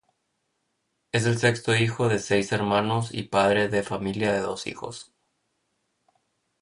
Es el sexto hijo de seis hermanos y padre de familia de dos hijos.